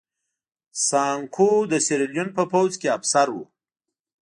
سانکو د سیریلیون په پوځ کې افسر و.